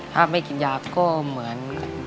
ถ้าไม่กินยาก็เหมือน